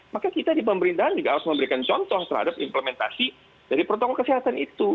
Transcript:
maka kita di pemerintahan juga harus memberikan contoh terhadap implementasi dari protokol kesehatan itu